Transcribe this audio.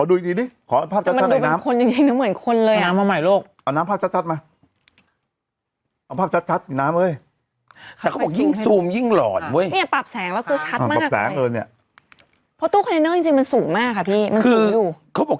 ตู้คอนเทนเนอร์เป็นภูมิสูงมาก